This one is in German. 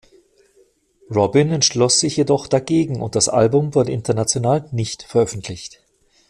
Robyn entschloss sich jedoch dagegen und das Album wurde international nicht veröffentlicht.